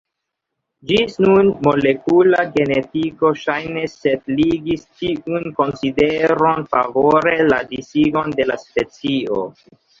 Ĝis nun molekula genetiko ŝajne setligis tiun konsideron favore la disigon de la specio.